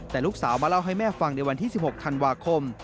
แต่ลูกสาวมาเล่าให้แม่ฟังในวันที่๑๖ธันวาคม